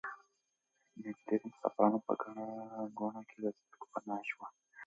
نجلۍ د مسافرانو په ګڼه ګوڼه کې له سترګو پناه شوه.